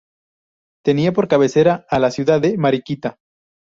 Tenía por cabecera a la ciudad de Mariquita.